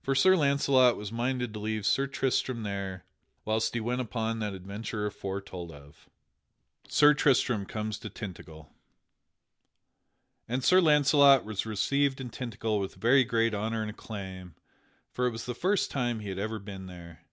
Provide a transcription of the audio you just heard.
For Sir Launcelot was minded to leave Sir Tristram there whilst he went upon that adventure aforetold of. [Sidenote: Sir Tristram comes to Tintagel] And Sir Launcelot was received in Tintagel with very great honor and acclaim, for it was the first time he had ever been there.